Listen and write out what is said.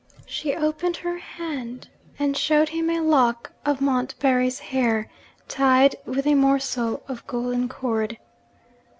She opened her hand, and showed him a lock of Montbarry's hair, tied with a morsel of golden cord.